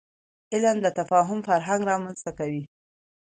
علم د تفاهم فرهنګ رامنځته کوي.